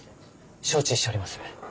承知しております。